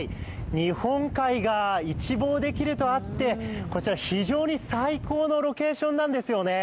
日本海が一望できるとあって、こちら非常に最高のロケーションなんですよね。